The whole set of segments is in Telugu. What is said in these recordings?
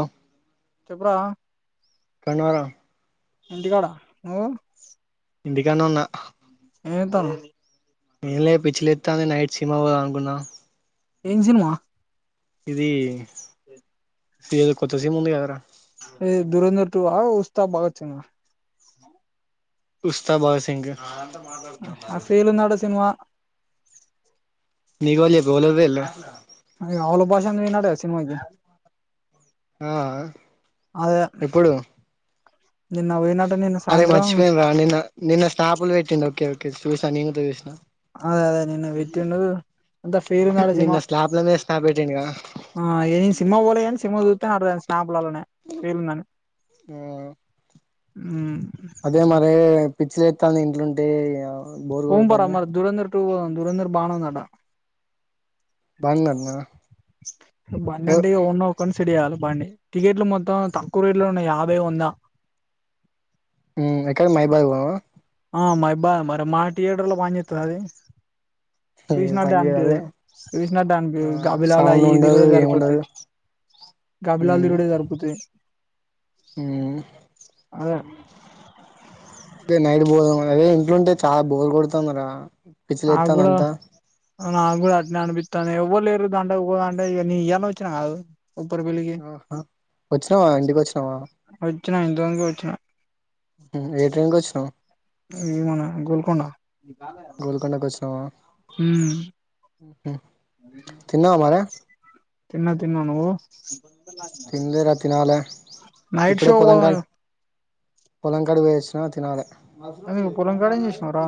ఆ చెప్పురా ఎక్కడున్నావ్ రా ఇంటికాడ నువ్వు ఇంటికానే ఏం చేతనవ్ అ నే పిచ్చిలెత్తంది నైట్ సినిమాకి పోదాం అనుకున్నాా ఏం సినిమా ఇది ఇదేదో కొత్త సీనిమా ఉంది కదా రా ఏ దురంధర్ ఆ ఉస్తాద్ భగత్ సింగ్ ఆ ఉస్తా భగత్ సింగ్ ఆ సేలునాడు సినిమా నీకెవలు చెప్పిర్రు ఎవలెవరు పోయిర్రు అ ఆవల భాష అను వి నడే సినిమాకి ఆ అదే ఎప్పుడు నిన్న పోయినట నిన్న అరే సాయంత్రం మర్చిపోయినరా నిన్న నిన్న స్నాపుల్ పెట్టిందు ఓకే ఓకే చూసా నేను చూసిన చిన్న అదే అదే నిన్న పెట్టిందు అంతా ఫేల్ందడు నిన్న సినిమా స్లాబ్ల మీద స్నాప్ పెట్టిండు కదా ఆ ఏ సినిమా పోలే, కానీ సినిమా చూస్తేనే అర్థమయింది స్నాప్లలోనే ఫీల్ ఉందని. ఆ హమ్ అదే మరీ, పిచ్చిలేతంది ఇంట్లోంటే ఈయ ఉంబర రా మరి ధూరంధర్ టూ పోదాం ధూరంధర్ బానే ఉందంట బంగారమా బండంటే ఇగ ఉన్న ఒక్కన్ చిడియాల బండి టికెట్లు మొత్తం, తక్కువ రేట్లో ఉన్న యాభై, వందా. హ్మ్ ఎక్కడ మైబాకి పోదామా ఆ మైబా మరి మా థియేటర్ లో పని చేస్తుంద అది ఏం చూసినట్టే పని చేయదు అదే అనిపియ్యదు, చూసినట్టే ఆ అనిపియ్యదు గాబిలాలు అయ్యి సౌండ్ ఇయ్యి ఉండదు తిరుగుడే ఏముండదు సరిపోతాయి గాబిలాలు ఉమ్ తిరుగుడే సరిపోతాయి ఉమ్ అదే అదే నైట్ పోదామని, అదే ఇంట్లో ఉంటే, చాలా బోర్ కొడుతుంది రా. పిచ్చి నాకు లేతాంది కూడా అంతా నాకు కూడా అట్టనే అనిపితంది ఎవ్వరులేరు దాంట్లోకి పోదాం అంటే ఇగ నేను ఈయాలనే వచ్చిన కాదు ఉప్పరపల్లికి. ఆహా వచ్చినావా ఇంటికి వచ్చినావా వచ్చినా ఇంతముందుకే వచ్చినా. ఏ ట్రైన్కి వచ్చినావు ఇది మన గోల్కొండ. నాక్ వచ్చినవా ఉమ్ ఉమ్ తిన్న తిన్న నువ్వు తిన్నలే రా తినాలి నైట్ ఇపుడే షో పొలం కాడిక్ పోదాం పొలం కాడికి పోయి వచ్చిన తినాలి ఎందుకు పొలం కాడ ఏం చేసినవ్ రా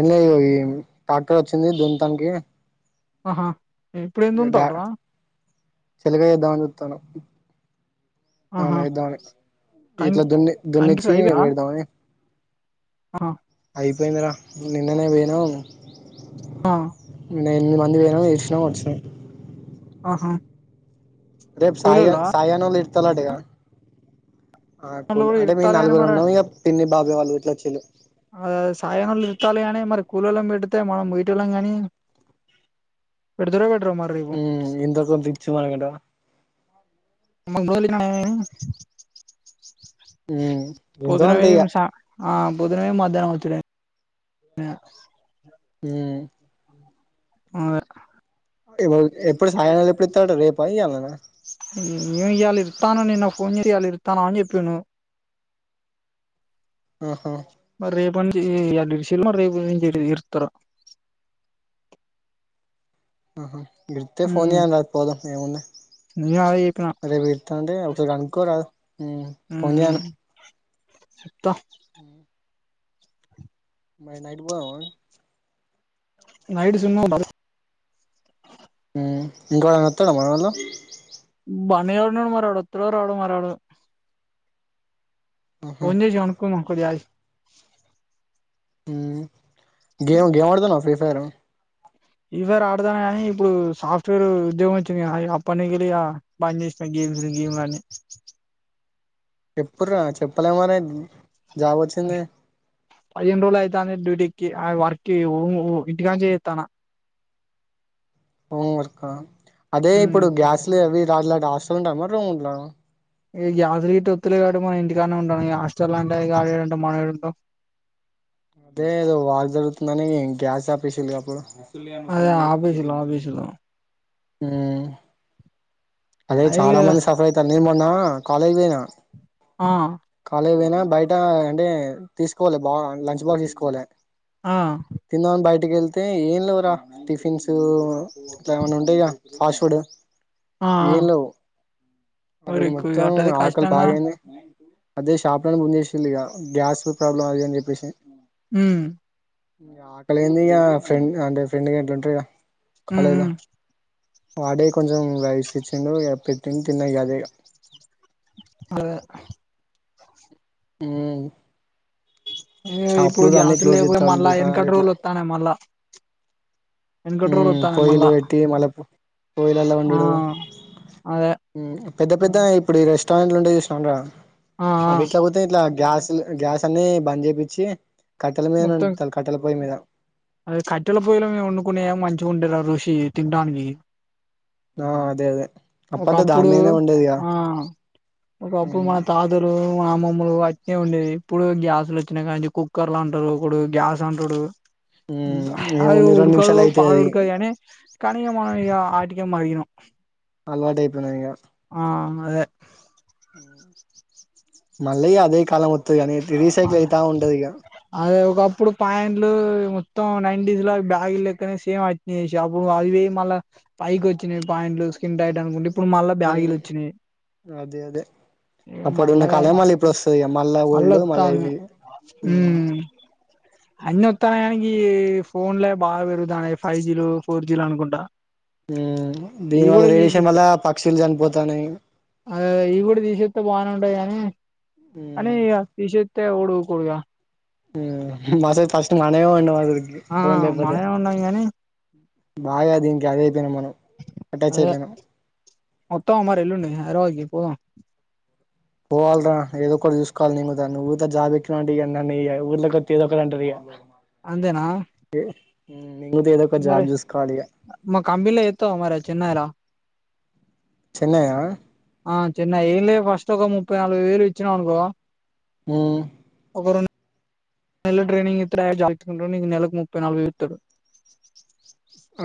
ఏంలేదు ఎం ప క్యాన్ వచ్చింది దుంన్ తనికి ఆహా ఇప్పుడు ఎం దుంతాల్ రా చెలిగ ఏద్దాం అని చూతనామ్ అవును ఆహా ఎదామని కం ఇట్లా దున్ని కంకి దున్నిచ్చి అయిపోయినయా పెడదామని. అయిపోయిందిరా నిన్ననే పోయిన ఆ నిన్న ఎనిమిది మంది పోయనాము యేసినం వచ్చినాము ఆహా రేపు సాయగా కూలోళ్ళా సాయగాన్నోల్ ఇన్ తలా డేకా ఆ వాళ్ళు కూల్ కూడా అంటే మేము ఇరుత్తాలు గాని నలుగురు ఉన్నాము ఇక పిన్ని బాబే వాళ్ళ గిట్ల వాచిల్లు అదే అదే సాయగానోళ్ళు ఉరకలి కానీ మరి కూలోలను పెడితే మనం పోయేటోలం గానీ పెడుతుర ఉమ్ ఎంతోకొంత ఇచ్చి పనుకుంటావ [unintelligible] ఎంతో అంత పొదునవే ఇక ఏమి సా ఆ పొద్దునా పోయ్ మధ్యాహ్నం వచ్చుడే ఇగ ఉమ్ ఆర్ ఎప్పుడు సాయంకాలం ఎప్పుడు ఇస్తాడట రేపా ఇయ్యాలనా ఎమ్ ఇయ్యాల ఇత్తాను నేను ఫోన్ జేతి ఇయాలన ఇత్తండ అని చెపిండు ఆహా మరి రేపుంజ ఎర్ ఇడిసి మరి రేపు ఇరుత్తరో ఆహా విడితే ఫోన్ ఉమ్ చేయ్యనా పోదాం ఏముంది నేను అదే చెప్పిన రేపు ఇత్తానంటే ఒకసారి కనుక్కోరాదు ఫోన్ చేయను త అ మరి నైట్ పోదామా నైట్ సినిమా కి పోదాం ఉమ్ ఇంకో వత్తరా మనోళ్ళు మేము వున్నపుడు మారాడు వస్తాడో రాడో మారాడు ఫోన్ జేసమనుకో మోజజి ఉమ్ గేమ్ గేమ్ ఆడుతున్నవ ఫ్రీ ఫైర్ పరే ఫ్రీ ఫైర్ ఆడతానా కానీ ఇప్పుడు సాఫ్ట్వేర్ ఉద్యోగం వచ్చింది కా అప్పనికిలి ఇగ బంద్ చేసినా గేమ్స్ గేమ్లన్ని ఎప్పుడ్ర చెప్పలే ఏమని అ పదిహేను రోజు అయితంది డ్యూటీ కి ఆ వర్క్ ఇంటికనించే చేతానా పో వర్కా అదే ఉమ్ ఇప్పుడు గ్యాస్ లు అవి దా ాస్తు ఉంట మరి ర ఉలా ఈ గ్యాస్ ఒతులుగాడు అండి ఇగా ఉండ హస్టల్ లా ఉంటయిగాడి ఏమి మాట్లా తావు అదే ఏదో వార్ గ్యాస్ జపిసి అప్పుడు అదే ఆఫీస్లో ఆఫీస్ హము అదే చాలా అయ్యో మంది సఫర్ అయితారు ని మమన్న కాాలేజేనా ఆ అవైనా బయట అంటే తీసుకోవాలి బా లంచ్ బాక్స్ తీసుకోవాలి ఆ తిందామని బయట ఇట్కెళ్తే ఏన్లవరా టిఫిన్సు ఇట్లా ఏమన్నా ఉండాయిగా పాస్వర్డ్ ఆ ఏం లేవు ఆ మరి రోజు మొత్తం అట్టయితే ఆకలి కష్టంగా బాగాయింది అదే షాపడ ముందషలిగా గ్యాస్ ప్రాబ్లం అది అని చెప్పేసి ఉమ్ ఆకలిని ఇక ఫ్రెండ్ అంటే ఫ్రెండ్గా ఎంలుంటయి ఉమ్ కాాలేజ్ ఉమ్ వాడే కొంచెం వయసు కిచన్ యా ప తని తిిన దేగా అద హమ్ ఇప్పుడు గ్యాస్ లేకపోయి చేత్తాళ్ళు మళ్ళా దుకాణాలు వెనకట్రోలు వస్తానే మళ్ళా ఎనకటి రోజులు వత్తన్నాయి పోయిలు మళ్ళా పెట్టి మళ్ళ పోయిలలా ఉండు ఆ అదే పెద్ద పెద్ద ఇప్పుడు ఈ రెస్టారెంట్లు ఉంటే చూసాంా ఆ ఎట్లా పోతేయిలా గ్యాస్ గ్యాస్ అనే బాజేపి ఛీ కట్టెల మీద ఉండుతారు కట్టెల పోయ్య మీద అద కట్టెల పొయ్యలు మేము వండుకునే ఏ మంచిగా ఉండే రఋషి తిండాన్వి ఆ అదే అదే అప్పట్లో దాని ఒకప్పుడు మీదనే వండేది ఇగ ఆ ఒకప్పుడు మ్మ్ మా తాతలు మా అమ్మమ్మలు అట్లే ఉండేది. ఇప్పుడు గ్యాస్లు వచ్చినా కానుంచి కుక్కర్లు అంటడు ఒకడు గ్యాస్ అంటడు. మ్మ్ అవి ఏముంది రెండు ఉడ్కదు నిమిషాలు అయితది పాడు అది ఉడ్కదు కానీ ఇగమనం ఆటికే మరిగినం. అలవాటు అయిపోయినాయి ఇగా. ఆ అదే. ఆ రీసైకిల్ అయితా ఉంటది ఇక అదే ఒకపు ప్పుడు పాయింట్లు మొత్తం నైన్టీస్ లా బ్యాగ్ లెక్కనే సేమ్ అట్నేఏసే, అప్పుడు అవి మళ్ళా పైకి వచ్చినయి పాయింట్లు స్కిన్ టైట్ అనుకుంట. హ్ అదే అదే ఇగ అప్పుడు ఉన్నా మళ్ళగా కాలం మల్లా ఇ ఇప్పుడు వస్తది మళ్ళా మళ్ళ ఓల్డ్ మళ్ళా వత్తాంది ఇవి అన్నీ వత్తాన్నయి కాని గి ఫోన్లే బాగా పెరుగుతానయి ఫైవ్ జీలు, ఫోర్ జీలు అనుకుంటా. హ్ దీని ఇవి కూడా వల్లా వీకి రేడియేషన్ వల్ల పక్షులు చనిపోతాన్నయి. ంటది కాని కానీ ఇగ తీశేత్ తె ఎవడు ఉకోడుగా. ఉమ్ మస ఫస్ట్ మనమే ఉండం [inaudible] ఆ ఫోన్ లేకపోతే మనేమే ఉండం గానీ. బాగా దినికి అదై అయిపోయినం మనం. అటాచ్ అదే అయిపోయినాం ఒత్తవ మరి ఎల్లుండి హైదరాబాద్కి. పోదాం. పోవాల్రా హైద్ ఒకటి చూసుకోవాలి నేను కుడా. నువుత జాబ్ ఎకినవంటే ఇగ నన్ను ఇగ ఊర్లకొత్తే ఎదో ఒకటి అంటరు ఇగా. అంతెనా. ఉహు. మరి మా కంపిన్లా చేత్తవా మరి చెెన్నైలా? చెన్నైయా ఆ చెన్నై ఏంలే ఫస్ట్ ఒక ముప్పై నాలబై వేలు ఇచ్చినవు అనుకో హ్ ఓరొం డు నెలలు ట్రైనింగ్ ఇత్తడు డైరెక్ట్ జాబ్ల పెట్టుకుంటడు. నీకు నెలకు ముప్పై నాలబై వేలు ఇస్తడు.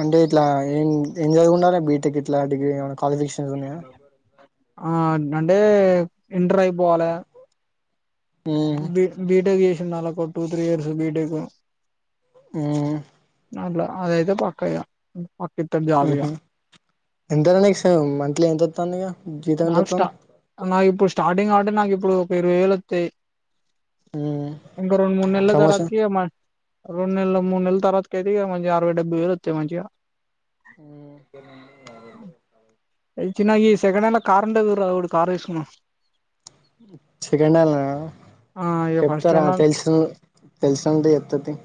అంటే ఇట్లా ఏం ఎం చదివివుండాలె బీటెక్ ఇట్లా డిగ్రీ ఏమన క్వాలిఫికేషన్స్ ఉన్నయా. అ ఆ అంటే ఇంటర్ అయిపోవాలె. ఉమ్ బి బిటెక్ ఎన్నాళకో టూ త్రీ ఇయర్స్ బిటేక్ మ్ అట్లా అదయితే పక్కా ఇగ పక్కిత్తడు జాబ్ ఇగ ఆహా [unintelligible] మంత్లీ ఎంత ఒత్తంది ఇగ జీతం ఎంత లాస్టా వత్తాంది నాకు ఇప్పుడు స్టార్టింగ్ కాబట్టి నాక్ ఇప్పుడు ఇరవై వెలు ఒత్తే ఉమ్ ఇంకో రెండు మూడు నెల్ల ప్రమోషన్ తర్వాతకి మ రెండు నెల్లు ముడ్ నెల్ తర్వాత కైతే ఇగ మంచిగ అరవై డెబ్బయి వేలు ఒత్తయ్ మంచిగా ఉహ్ ఒకేనండి ఏదార్ పెడతరు ఏ చిన్నగా చేయి సెకండ్ హ్యాండ్లా కార్ ఉండదు రాగుడ్ కార్ ఎస్కున్నా సెకండ్ హ్యాండ్ల ఆ ఇగ ఫస్ట్ చెప్తారా హ్యాండ్ తెలుసు తెలుసంటే చెప్త తీ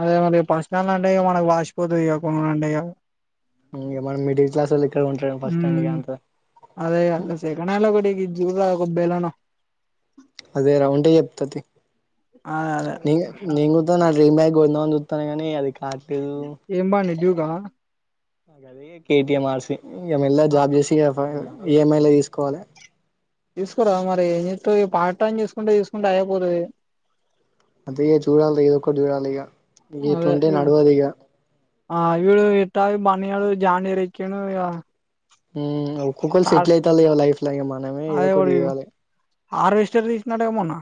అదే మరి పసనల్ అంటే ఇగ మనక్ వాసిపోతది ఇగ కొనాలంటే ఇగ ఇంగ మనం మిడిల్ క్లాస్ ఇక్కడ ఉంటారు ఫస్ట్ హ్యాండ్ ఇగ హుమ్ అంత అదే కదా సెకండ్ హ్యాండిల్ ఒకటి గిది చూడ్ రా ఓ బెలన అదే రా ఉంటే చెప్త తి అదే అదే నింగ్ నీ గుంద న దేగ్ బాన్ గోన్ ఫోన్ జుత్తానే గానీ అది ఆటు గా ఆది కేటిఎం ఆర్ సి ఇగ మెల్ల గా జాబ్ చేసి ఈఎంఐ లే తీసుకోవాలె తీసుకోర మరి ఏం జెత్తవ్ ఇగ పార్ట్ టైమ్ చూసుకుంటే చూసుకుంటే అయేపోతది అదే చూడాలి రా ఏదొ ఒకటి చూడాలిగ గీట్లుంటే అదే నడువదు ఇగా ఆ వీడు ఇట్టాగు బన్నీగాడు జానీ రిచ్చిండు ఇగ హు ఒకొక్కలు టార్ సెటిల్ అయ్యితలే లైఫ్ లో ఇగ మనమే ఏదో ఒకటి చేయాలె ఆర్వెస్టర్ తీసిందంటగా మొన్న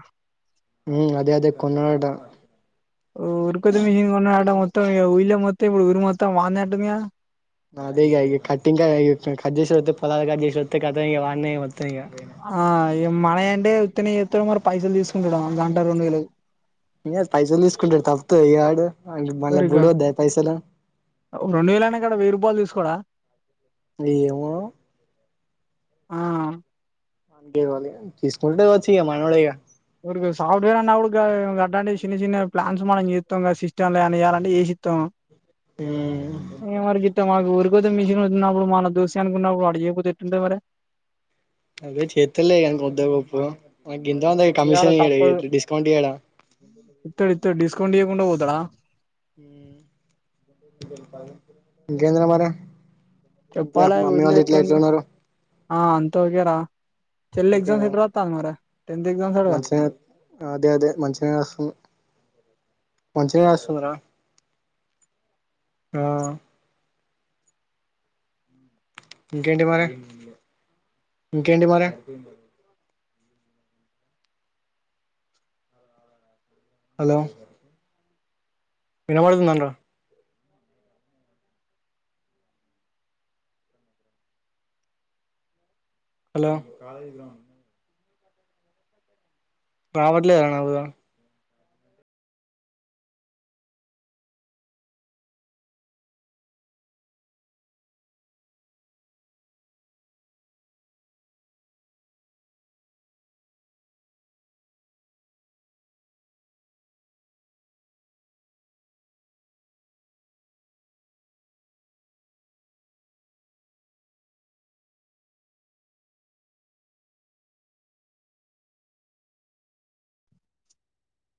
ఉ అదే అదే కొన్నాడట ఓ ఉరుకుదు మిషన్ కొన్నాడట మొత్తం విల్లే మొత్తం ఇప్పుడుఊరు మొత్తం వాందే అంటగా అదే గా ఇ కటింగ్ కట్ చేసే పొలాలు కట్ చేసే [unintelligible] ఆ ఈమ్మా ఎ అంటే ఉత్తనే చేతాడ మరి పైసలు తీసుకుంటడ గంటకు రెండు వేలు. ఇగ పైసలు తీసుకుంటే తప్పేయాడు అంట మళ్ళా ఎవరికా బుడి వద్దా పైసలు రెండు వేలు అనే కాడ వెయ్యి రూపాయలు తీసుకోడా ఏమో ఆ తేవాలి తీసుకుంటే వచ్చిగ మనోడే గ ఊరికే సాఫ్ట్వేర్ అన్నప్పుడు అలాంటి చిన్న చిన్న ప్లాన్స్ మనం చేస్తాం. సిస్టమ్ లే అని ఇలంటే చేసిస్తాం. [unintelligible] [unintelligible] అదే చేతులే కానీ కొద్ది గొప్పు ఇంకా ఇయ్యాల కమిషన్ తప్పదు ఇడు డిస్కౌంట్ ఎడ దడ ఇంకేద్ర మరి ఇంట్ల చెప్పాలా మమ్మీ ఊర్లో వాళ్ళు ఎట్లా ఎట్లుంది ఎట్లున్నారు? ఆ అంత ఒకే ర చెల్లి ఎగ్జామ్స్ ఎట్ రాతాంది మరి టెన్త్ ఎగ్జామ్స్ అట మనుష అదే అదే మనుషన రాసం మంచిన రస్తుందరా ఆ ఇంకేంటి మరి ఇంకేంటి మరి హలో వినపడుతుందంట. హలో కాలేజ్ గ్రౌండ్ రావట్లేదా నువ్వు